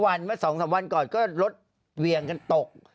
หน้าวานสองสามวันก่อนก็รถเวียงกันตก